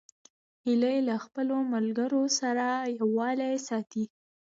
هیلۍ له خپلو ملګرو سره یووالی ساتي